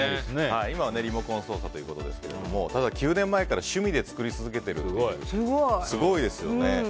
今はリモコン操作ということですがただ、９年前から趣味で作り続けているとすごいですよね。